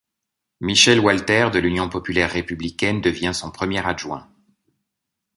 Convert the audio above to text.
Michel Walter de l'Union populaire républicaine devient son premier adjoint.